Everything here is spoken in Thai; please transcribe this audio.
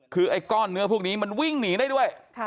คือไอ้ก้อนเนื้อพวกนี้มันวิ่งหนีได้ด้วย